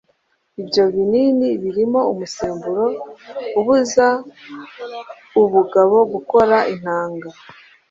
ibyo binini birimo umusemburo ubuza ubugabo gukora intanga